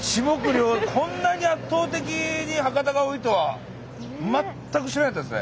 こんなに圧倒的に博多が多いとは全く知らなかったですね。